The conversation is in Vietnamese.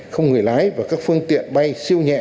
không người lái và các phương tiện bay siêu nhẹ